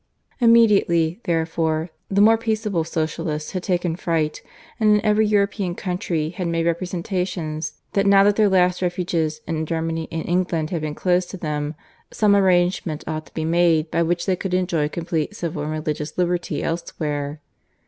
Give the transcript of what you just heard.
Immediately, therefore, the more peaceable Socialists had taken fright, and in every European country had made representations that now that their last refuges in Germany and England had been closed to them, some arrangement ought to be made by which they could enjoy complete civil and religious liberty elsewhere.